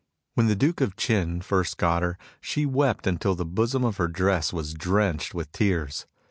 When the Duke of Chin first got her, she wept until the bosom of her dress was drenched with tears.